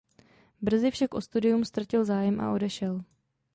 Brzy však o studium ztratil zájem a odešel.